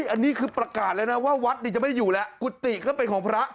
อันนี้คือประกาศแล้วนะว่าวัดจะไม่ได้อยู่แล้วกุฏิก็เป็นของพระ